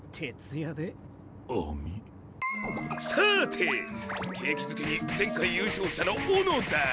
さて景気づけに前回優勝者の小野田！